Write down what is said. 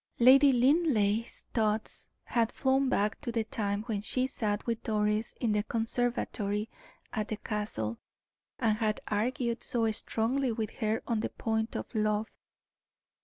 Lady Linleigh's thoughts had flown back to the time when she sat with Doris in the conservatory at the Castle, and had argued so strongly with her on the point of love.